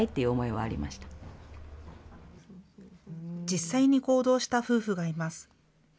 実際に行動した夫婦がいます。